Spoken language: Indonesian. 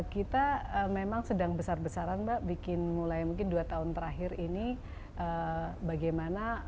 kita memang sedang besar besaran mbak bikin mulai mungkin dua tahun terakhir ini bagaimana